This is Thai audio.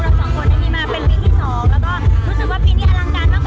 รู้สึกว่าปีนี้ว่างกันกว่าเดิม